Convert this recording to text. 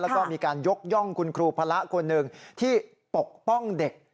แล้วก็มีการยกย่องคุณครูพระคนหนึ่งที่ปกป้องเด็ก